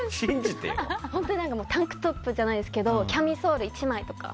本当にタンクトップじゃないですけどキャミソール１枚とか。